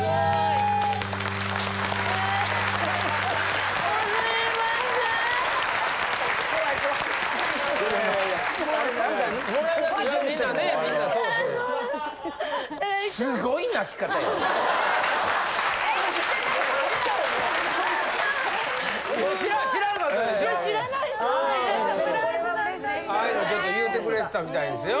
・サプライズだったんだ・ああいうのちょっと言うてくれてたみたいですよ。